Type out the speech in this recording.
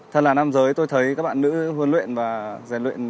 thật là nam giới tôi thấy các bạn nữ huấn luyện và rèn luyện